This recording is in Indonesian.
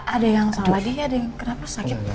ada yang salah dia ada yang kenapa sakit